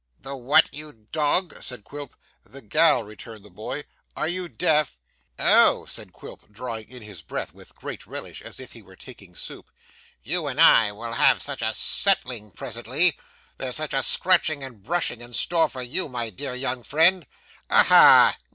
'The what, you dog?' said Quilp. 'The gal,' returned the boy. 'Are you deaf?' 'Oh!' said Quilp, drawing in his breath with great relish as if he were taking soup, 'you and I will have such a settling presently; there's such a scratching and bruising in store for you, my dear young friend! Aha!